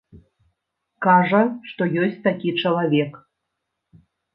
Кажа, што ёсць такі чалавек.